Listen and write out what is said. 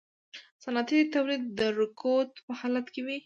صنعتي تولید د رکود په حالت کې وي